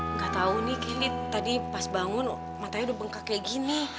nggak tahu nih kini tadi pas bangun matanya udah bengkak kayak gini